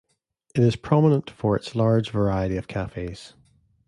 It is prominent for its large variety of cafes.